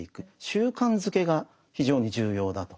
習慣づけが非常に重要だと。